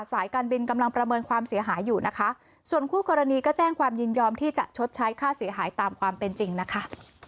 สายการบินกำลังประเมินความเสียหายอยู่นะคะส่วนคู่กรณีก็แจ้งความยินยอมที่จะชดใช้ค่าเสียหายตามความเป็นจริงนะคะ